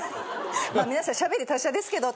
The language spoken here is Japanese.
皆さんしゃべり達者ですけど。